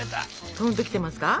とんときてますか？